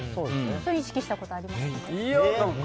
それは意識したことあります？